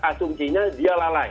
asumsinya dia lalai